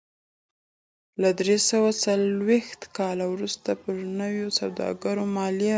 له درې سوه څلرویشت کال وروسته پر نویو سوداګرو مالیه و